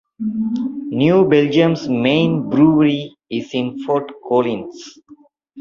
New Belgium's main brewery is in Fort Collins.